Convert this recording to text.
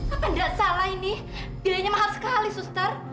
apa nggak salah ini bilanya mahal sekali sustar